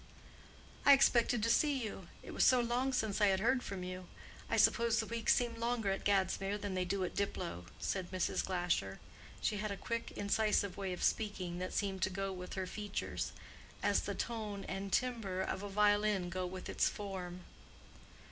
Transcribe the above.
"I expected to see you—it was so long since I had heard from you. I suppose the weeks seem longer at Gadsmere than they do at Diplow," said Mrs. Glasher. She had a quick, incisive way of speaking that seemed to go with her features, as the tone and timbre of a violin go with its form.